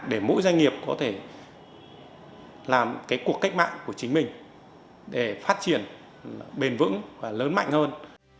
để mỗi doanh nghiệp có thể làm cái cuộc cách mạng của chính mình để phát triển bền vững và lớn mạnh hơn